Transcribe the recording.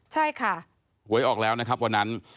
หวยออกแล้วนะครับวันนั้น